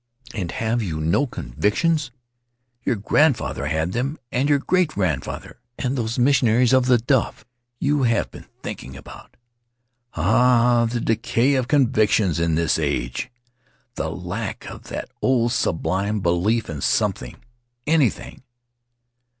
And have you no convictions? Your grandfather had them, and your great grandfather, and those missionaries of the Duff if Faery Lands of the South Seas you have been thinking about. Ah! the decay of convictions in this age! The lack of that old sublime belief in something — anything!